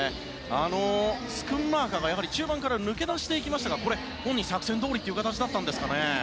スクンマーカーが中盤から抜け出していきましたがこれは本人の作戦どおりという形だったんですかね？